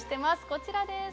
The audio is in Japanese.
こちらです